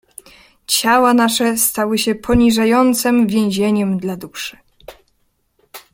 "Ciała nasze stały się poniżającem więzieniem dla duszy."